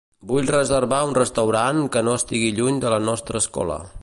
Vull reservar un restaurant que no estigui lluny de la nostra escola.